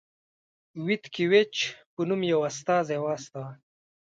ویتکي ویچ په نوم یو استازی واستاوه.